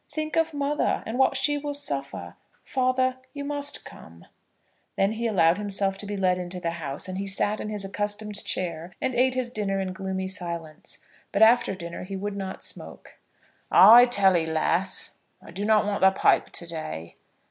Think of mother, and what she will suffer. Father, you must come." Then he allowed himself to be led into the house, and he sat in his accustomed chair, and ate his dinner in gloomy silence. But after dinner he would not smoke. "I tell 'ee, lass, I do not want the pipe to day.